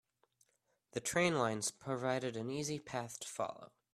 The train lines provided an easy path to follow.